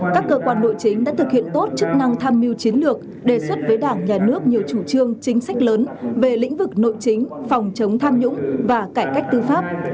các cơ quan nội chính đã thực hiện tốt chức năng tham mưu chiến lược đề xuất với đảng nhà nước nhiều chủ trương chính sách lớn về lĩnh vực nội chính phòng chống tham nhũng và cải cách tư pháp